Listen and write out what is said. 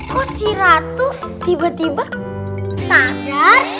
kok si ratu tiba tiba sadar